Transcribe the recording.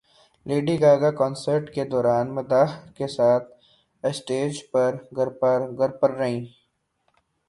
lady Gaga concert کے دوران مداح کے ساتھ اسٹیج سے گر پڑیں